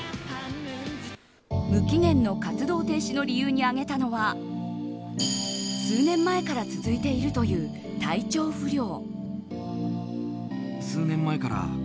無期限の活動停止の理由に挙げたのは数年前から続いているという体調不良。